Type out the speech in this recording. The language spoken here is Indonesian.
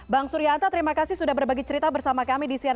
bang surya anto terima kasih sudah berbagi cerita bersama kami di cnn news